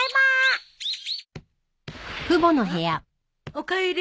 おかえり。